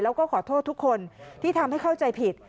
แล้วก็ขอโทษทุกคนที่ทำให้เข้าใจผิด